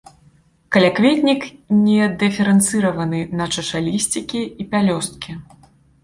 Калякветнік не дыферэнцыраваны на чашалісцікі і пялёсткі.